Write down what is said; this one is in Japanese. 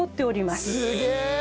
すげえ！